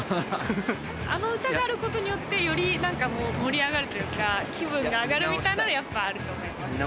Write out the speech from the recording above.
あの歌がある事によってより盛り上がるというか気分が上がるみたいなのはやっぱ、あると思います。